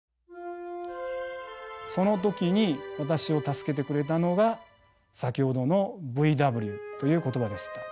その時に私を助けてくれたのが先ほどのＶＷという言葉でした。